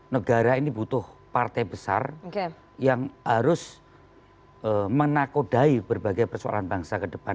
negara ini butuh partai besar yang harus menakodai berbagai persoalan bangsa ke depan